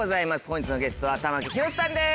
本日のゲストは玉木宏さんです。